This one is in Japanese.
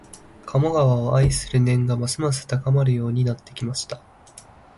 鴨川を愛する念がますます高まるようになってきました